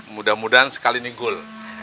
mudah mudahan sekali ninggul